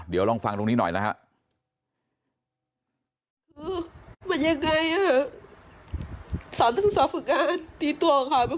เดี๋ยวลองฟังตรงนี้หน่อยนะครับ